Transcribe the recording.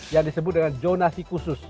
yang disebut dengan zonasi khusus